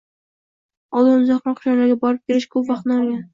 Oldin uzoqroq joylarga borib kelish ko'p vaqtni olgan.